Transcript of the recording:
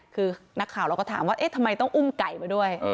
คือนักข่าวเราก็ถามว่าเอ๊ะทำไมต้องอุ้มไก่มาด้วย